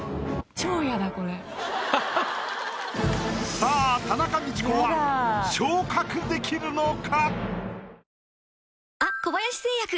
さあ田中道子は昇格できるのか？